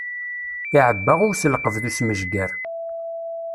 Iɛebba i uselqeb d usmejger.